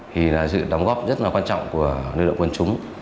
thì là sự đóng góp rất là quan trọng của nguồn lượng quần chúng